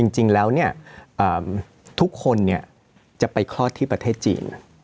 จริงแล้วทุกคนจะไปคลอดที่ประเทศจีน